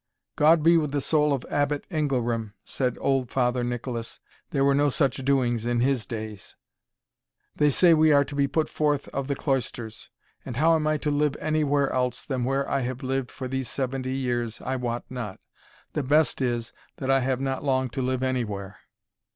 "God be with the soul of Abbot Ingelram!" said old Father Nicholas, "there were no such doings in his days. They say we are to be put forth of the cloisters; and how I am to live any where else than where I have lived for these seventy years, I wot not the best is, that I have not long to live any where."